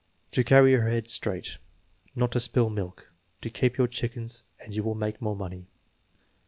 "To carry her head straight." "Not to spill milk." "To keep your chickens and you will make more money."